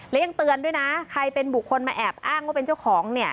และยังเตือนด้วยนะใครเป็นบุคคลมาแอบอ้างว่าเป็นเจ้าของเนี่ย